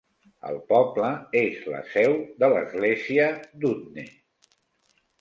El poble és la seu de l'església d'Utne.